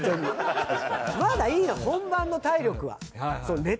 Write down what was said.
まだいいの本番の体力は。